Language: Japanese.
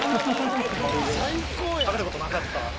食べたことなかった。